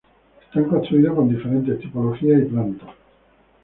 Están construidos con diferentes tipologías y plantas.